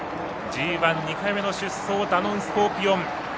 ＧＩ、２回目の出走ダノンスコーピオン。